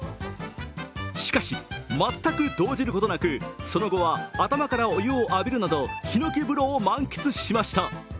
しかし全く動じることなくその後は頭からお湯を浴びるなどひのき風呂を満喫しました。